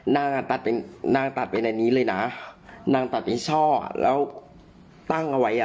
นางอ่ะตัดเป็นอันนี้เลยนะนางตัดเป็นช่ออ่ะแล้วตั้งเอาไว้อ่ะ